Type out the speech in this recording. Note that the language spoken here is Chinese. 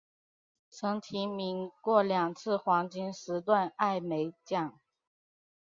曾提名过两次黄金时段艾美奖。